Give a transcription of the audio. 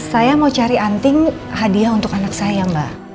saya mau cari anting hadiah untuk anak saya mbak